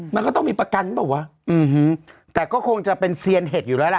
มันก็ต้องมีประกันหรือเปล่าวะอืมแต่ก็คงจะเป็นเซียนเห็ดอยู่แล้วล่ะ